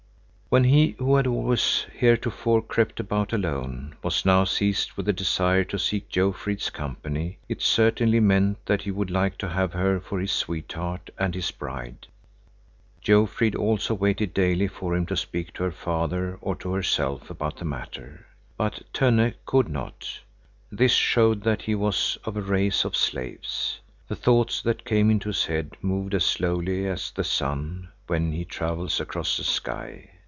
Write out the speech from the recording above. When he, who had always heretofore crept about alone, was now seized with the desire to seek Jofrid's company, it certainly meant that he would like to have her for his sweetheart and his bride. Jofrid also waited daily for him to speak to her father or to herself about the matter. But Tönne could not. This showed that he was of a race of slaves. The thoughts that came into his head moved as slowly as the sun when he travels across the sky.